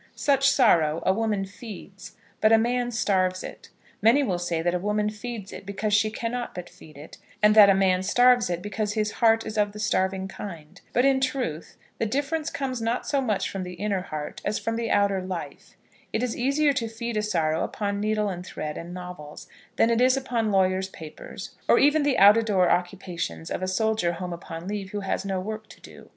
Such sorrow a woman feeds; but a man starves it. Many will say that a woman feeds it, because she cannot but feed it; and that a man starves it, because his heart is of the starving kind. But, in truth, the difference comes not so much from the inner heart, as from the outer life. It is easier to feed a sorrow upon needle and thread and novels, than it is upon lawyers' papers, or even the out a door occupations of a soldier home upon leave who has no work to do.